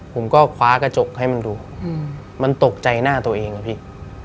ผมก็คว้ากระจกให้มันดูมันตกใจหน้าตัวเองอะพี่